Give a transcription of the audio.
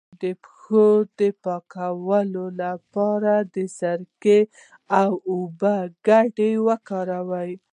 د پښو د پاکوالي لپاره د سرکې او اوبو ګډول وکاروئ